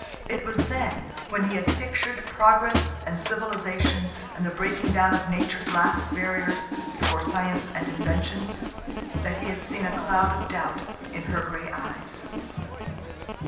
It was then, when he had pictured progress and civilization and the breaking down of nature's last barriers before science and invention, that he had seen a cloud of doubt in her gray eyes.